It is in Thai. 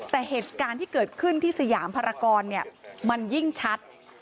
แต่เหตุการณ์ที่เกิดขึ้นที่สยามภารกรมันยิ่งชัด